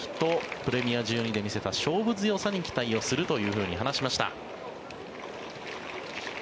プレミア１２で見せた勝負強さに期待をするというふうに話しました。